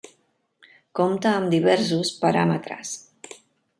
Compta amb diversos paràmetres.